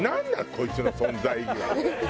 こいつの存在意義はと。